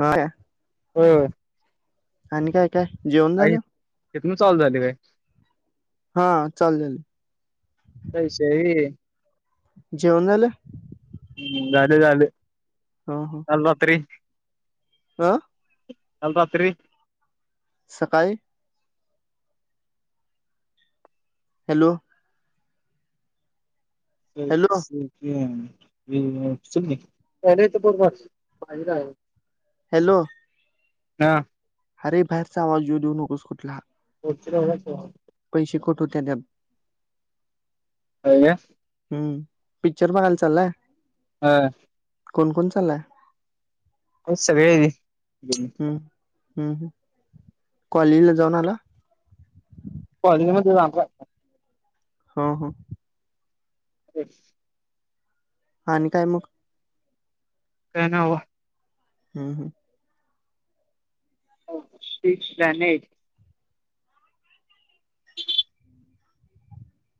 हा हो आणि काय काय जेवण आई झालं तिथून चालू झाले काय हा चाल ल अश ह जेवणाल झाले झाले हो हो अल्त हह अल पात्री सकाळी हॅलो तर हॅलो ब बा आहे हॅलो हा अरे बाहेरचा आवाज येऊ देऊ नकोस कुठला होवच पैसे कठ होते त्या काे हम्म पिक्चर बघायला चाललाय हां कोण कोण चाललाय अ सग हम्म कॉलेजला जाऊन आला हो म्ह हो हो ह हा आणि काय मग काय ना हो हम हम हो ठीक जा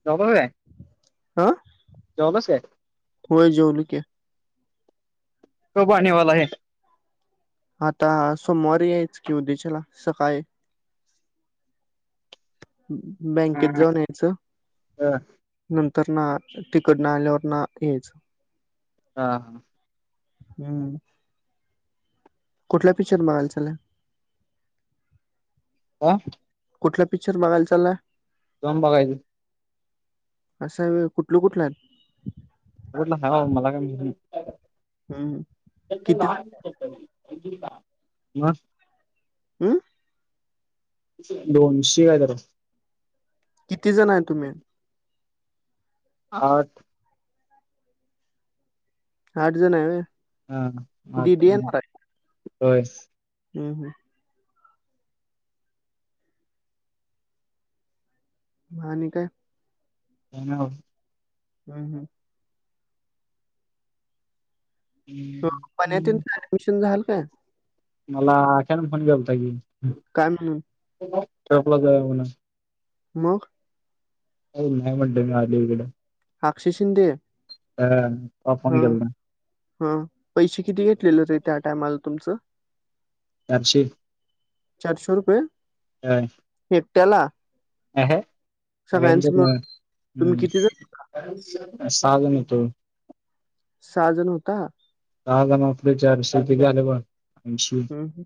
ज काय हा जॉब अस होय जावलुक कब आनेवाला ह आता सोमवारी याच की उद्याच्याला सकाळी बँकेत हा जाऊन यायचं नंतर ना तिकडन आल्यावर ना यायचं हा हा हम्म कुठला पिक्चर बघायंला का कुठला पिक्चर बघाय चालय जम बघायचं असं कुठल कुठलं ा मला का हं. किती [unintelligible] मग हम्म दोनशी काय तर किती जण आहे तुम्ही? आ आठ जण आहे होय हा हम्म मा आणि काय? हा हम्म हम्म हम्म, पण्यातेनच ऍडमिशन झालं काय? मला अख्यान फोन केल होता की? काय म्हणून ठपला जाऊ या म्हणून मग हो नाही म्हणते मी आली इकडं अक्षी शिंदे [unintelligible] हा केलता हा पैसे किती घेतलेले र त्या टायमाला तुमचं चारशे चारशे रुपये होय एकट्याला सगळ्यांचं हम्म मिळून? तुम्ही किती जण? सहा जण येतो सहा जण होता सहा जण आपले चारशे काती झालं बघ हम हम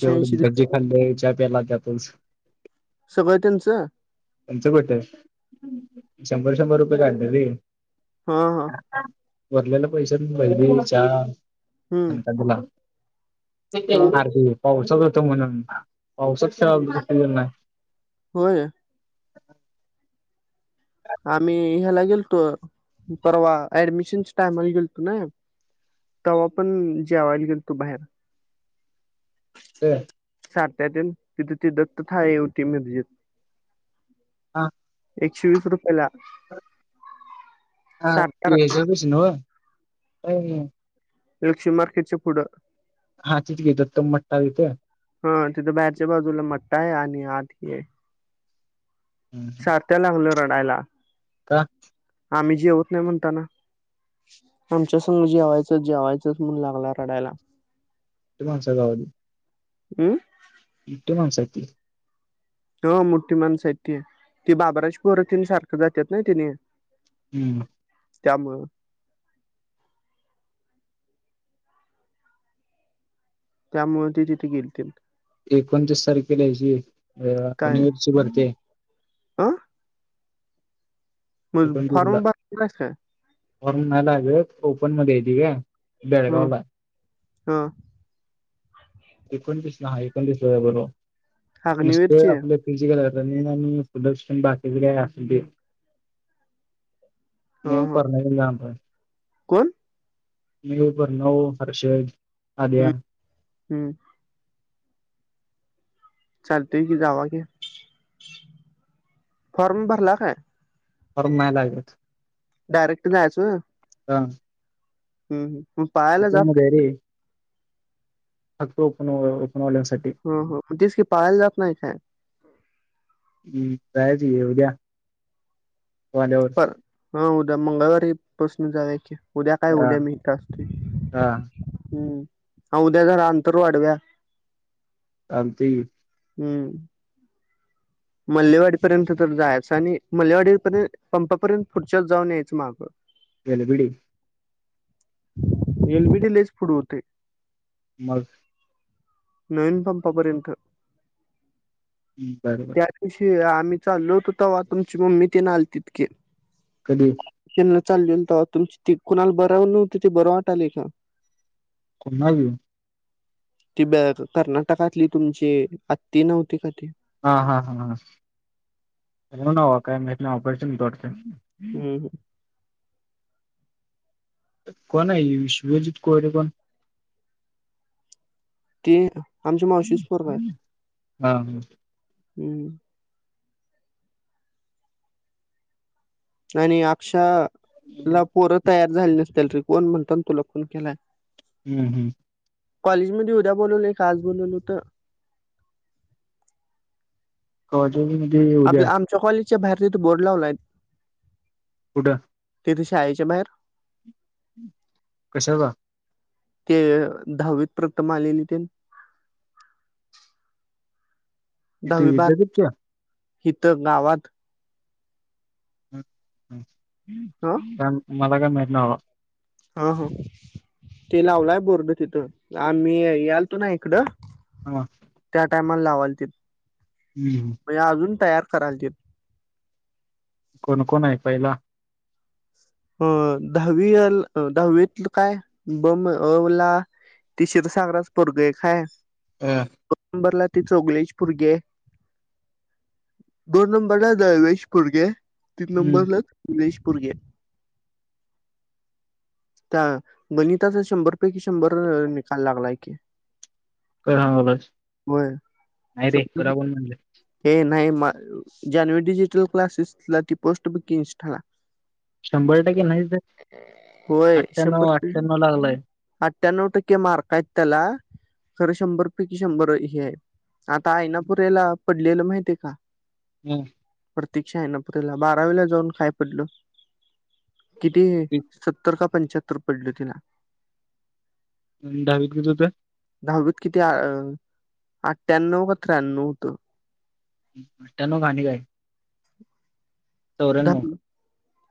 तेवढं भजी खाली चहा पेला त्याच सगळतेच त्यांचं कुठे शंभर शंभर रुपये काढलं र हा हा भरलेले पैसे भजी चहा हं, तुला हां. अख पावसात होतो म्हणून पावसातच खना होय आम्ही ह्याला गेलतो परवा ऍडमिशनच्या टाइमला गेलतो ना तेव्हा पण जेवायाला गेलो तो बाहेर ते सात्या ते तिथं ति दत्त थाळी होती मिरजेत हा एकशे वीस रुपये ला हा ते ह्याच्यापाशी नाव लक्ष्मी मार्केटच्या पुढं हाचच घेत दत्ता मट्टा आहे तिथे हा तिथं बाहेरच्या बाजूला मट्टा आहे आणि आत आहे. सारथ्या लागलो रडायला का? आम्ही जेवत नाही म्हणताना आमच्या संघ जेवायचंच जेवायचंच म्हणून लागला रडायला ते माणसागावली हम्म, इट माणसा, हा मोठी माणसाह ती बाबराज पोरात सारखं जातात ना तिने हम्म, त्यामुळं, त्यामुळे ते तिथे गेतील एकोणतीस तारखेला्यायची काय युनिव्हर्सिटी भरती. अ मग पण त तुला फॉर्म भरलास काय [inaudible] फर् म्हणाला व ओपन मध्ये य त का. हम्, हा. एकोणतीसला एकोणतीस व बरोब नुसते अग्निवीरची आपले कल आणि फुट बाकीचे काय अस ते. [inaudible] हा मी हा परण जा. कोण? मी बणऊ हर्ष. हम्म-हम्म. चालतय कि जावा की [inaudible] फॉर्म भरला काय? र् मयलागात. डायरेक्ट जायचं वय हा. हम् मग पाहाला ओपन जात हक्तपन ओपनवाल्यांसाठी. हो हो तस की पाळायला जात नाही काय? हम् काय त येवद्या. पर हा उद्या मंगळवारी बसून जावे की उद्या काय हा उद्या मी तर असते हा हम्म उद्या जरा अंतर वाढव्या, चालते की. हम्म, मल्लेवाडीपर्यंत तर जायचं आणि मल्लेवाडीपर्यंत. पंपापर्यंत पुढच्यात जाऊन यायचं मागं. एल बडी. एलबीडी लेच पुढे होते. मग, नवीन पंपायर्यंत ह् बरोबर, त्या आम्ही चालो होतो तेव्हा तुमची मम्मी ते ना आल ते तके. [unintelligible] त्यांना चाललेल तवा तुमची ती कुणाला बराव नव्हती ते बरं वाटालेय का? कोणावी ती ब कर्नाटकातली तुमची आत्ती नव्हती का ती? हा हा हा हा [inaudible] न वा काय [unintelligible] हम् ह कोण आये विश्वजित कोरे कोण? ते आमच्या मावशीस परव आये, हा हा. हम्म आणि अक्षा ला हम्म पोर तयार झाले नसतील रिकवण म्हणता ना तुला खून केलाय हम्म हम् कॉलेजमध्येध उद्या बोलवललय का आज बोलवल होत? [unintelligible] उद्या च्या कॉलेजच्या भहेर तीत बोर्ड लावलाय कुठ? तेथ शाये च्या बाएर कशाचा? ते दहावीत प्रथम आलेली ते. तिथे दहावीबार विद्यापीठच्या हीत गावात ह मला काय माहीत नाही बाबा. हा हा ते लावलंय बोर्ड तिथं आम्ही याल तो ना इकडं ह त्या टाइमला लावाल ते. हम् म्हणजे अजून तयार करायलचे. कोणकोण आहे पहिला? अ दहावी अ दहावीतल काय बम अ ला ति शिरसागरास पोरग एक हाय. हां दो नंबरला ते चोगलेची पोरगीये. दोन नंबरला दळवी चे पोरगी आहे तीन हम्म नंबरला [unintelligible] पोरगी आहे त्या गणिताच शंभर पैकी शंभर निकाल लागलाय की. [unintelligible] होय नाही रे तुला कोण म्हणल? हे नाही म ज्यान डिजिटल क्लासेसला ती पोस्ट बकी इंस्टाला. शंभर टक्के नाही तर अठ्ठ्याण्णव अठ्ठ्याण्णव लागलाय. अठ्ठ्याणव टक्के मारकये त्याला. खर शंभरपैकी शंभर हे ये आता आईनापूरेला. पडलेल माहिते का? हम्म प्रतीक्षा आहे ना पुरेला बारावीला जाऊन काय पडल? किती ते- सत्तर का पंचाहत्तर पडल तिला. दहावीत किती होत? दहावीत किती अ अट्याण्णव का त्र्याण्णव होत. त्यान गाणी गाय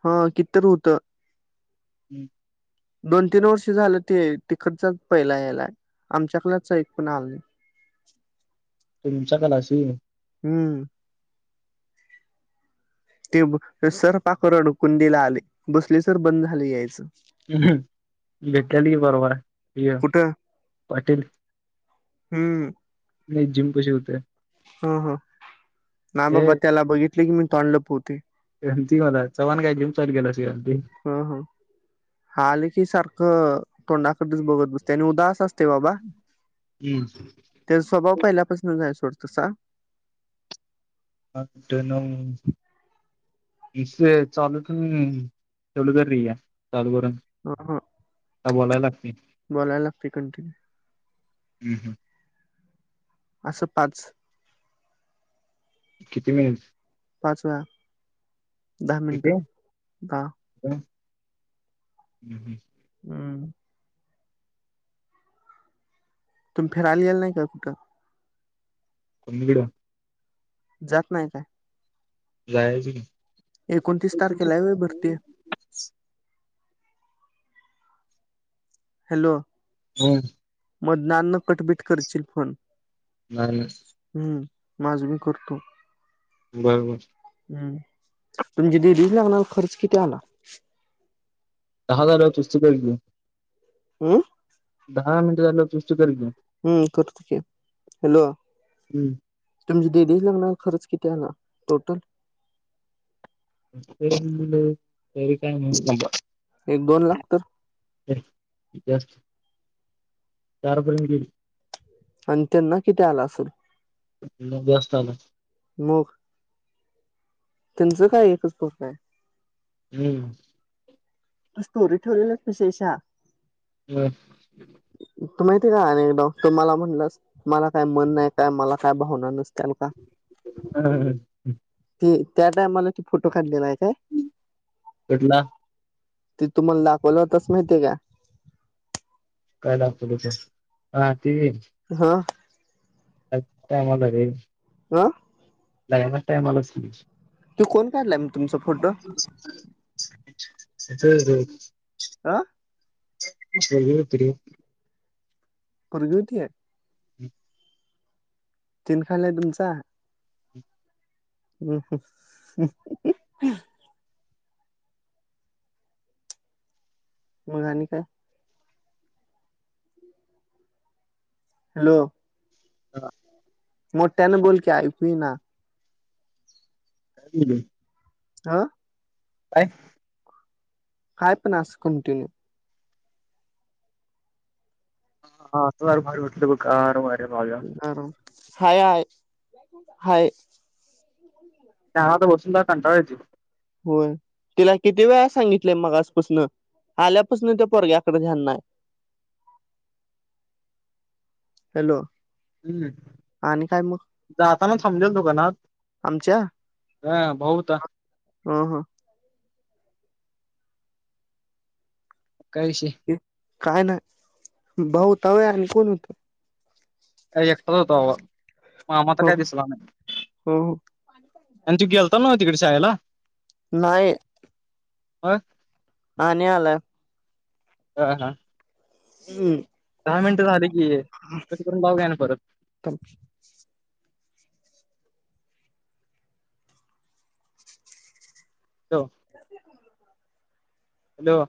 हा कितर होत? हम्म. दोन तीन वर्ष झाल ते तिकडचा पहिला यायला आमच्याकडेच एक पण आल नाही. त तुमच्या कलाशी हम्म ते सर पाख रडकूनडीला आले बसले सर बंद झाली यायच ह भेटल गी बरोबर य कुठं पाटिल हम्म नाही जिम कशी होते. ह ह ना बाबा ए त्याला बघितले की मी तोंड लपवते. श्रंती मला चव्हाण काय जिम चाल गेला श्रंती. ह ह आले की सारखं तोंडाकडेच बघत बसते आणि उदास असत. हुं त्याचा स्वभाव पहिल्यापासून जाय सोडत तसा. ह द ना इ चालूून ठलू कर र आहे चालू करून. ह हा बोलायला लागते. बोलायला लागते कंटिन्यू. हम्म हम् असं पाच किती मिनिटं. पाच वाज दहा मिनट दहा ह् ह हम तुम फिरआलीलेल नाही का कुठ? [inaudible] जात नाइ काय? जायच एकोणतीस तारखेला व भरती हॅलो हम् मदनांना कटबीट करशील फोन बर हम्म माझ मी करतो बरोबर हम्म तुमची दिलीच लागणार खर्च किती आला दहा हजार पुस्तक हम दहा मिनिट झालं तुष्ट कर घ हम्म कट हॅलो हम्म तुमची ददीच लग्णार खरंच किती आहे ना टोटल काय न एक दोन लाख तर जास्त चारपर्यंत गेली आणि त्यांना किती आला असेल न जा असताना मग त्यांचं काय एकच फक आहे हम्म तू स्टोरी ठेवलेलच तशेशा हम् तू माहिती आहे का अ एकदा तुम्हाला म्हणलंस मला काय मन नाही काय मला काय भावना नसतेल का हम ह ते त्या टायमाला त फोटो काढलेला आहे का केटला ते तुम्हाला दाखवलंताच माहितीय का काय लागत त हा ते हा अच टायमलला रे हा नाहीना टायमलाच नाही तू कोण कायला तुमचा फोटो हम् हम् आ स प्ररी पुग होती आहे हम् तिन खाला तुमचा हो मघाणी काय हॅलो ह मोठ्याने बोलकी ऐकू ना ह हा काय? काय पण अस कंटिन्यू? हा वाट [inaudible] ह हायय हाय त्याना तर बसून कंटाळा येतो. होय तिला किती वेळा सांगितलंय मग आजपासून आल्यापासून त्या पोरग्या कडे ध्यान नाय. हॅलो हम्म आणि काय मग जाताना समजेल दुकानात आमच्या हा भाऊ होता हा हा काय विषय काय नाही भाऊ होता आणि कोण होतं. एकटाच होतो अ मग आम्हा तर हो काय दिसला नाही. हो आणि त गेलतात ना तिकडे शाळेला नाहीय आ अ नाहीला ह हां हम्म. दहा मिनटं झाले की कसे करून भाऊ घ्या ना परत तम हो हॅलो